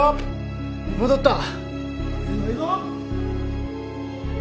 戻った。